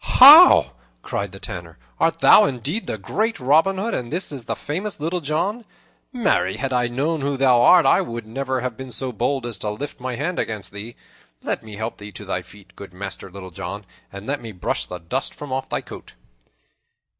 "How!" cried the Tanner, "art thou indeed the great Robin Hood, and is this the famous Little John? Marry, had I known who thou art, I would never have been so bold as to lift my hand against thee. Let me help thee to thy feet, good Master Little John, and let me brush the dust from off thy coat."